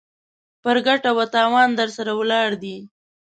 پر ګټه و تاوان درسره ولاړ دی.